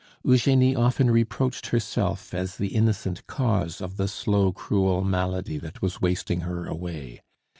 Eugenie often reproached herself as the innocent cause of the slow, cruel malady that was wasting her away.